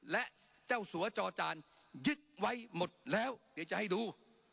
และเจ้าสัวจอจานยึดไว้หมดแล้วเดี๋ยวจะให้ดู